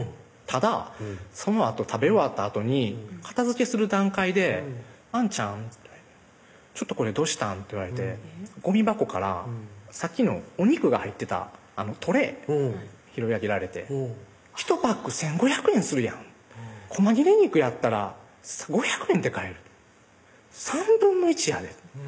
ただそのあと食べ終わったあとに片づけする段階で「あんちゃんちょっとこれどうしたん？」って言われてゴミ箱からさっきのお肉が入ってたトレー拾い上げられて「ひとパック１５００円するやん」「こま切れ肉やったら５００円で買える」「３分の１やで」